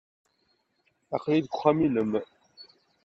Aql-iyi deg uxxam-nnem.